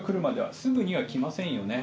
すぐには来ませんよね。